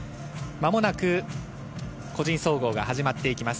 間もなく個人総合が始まっていきます。